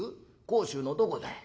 甲州のどこだい？」。